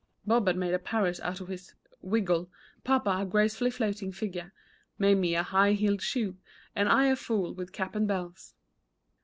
Bob had made a parrot out of his "wiggle," papa a graceful floating figure, Mamie a high heeled shoe, and I a fool with cap and bells.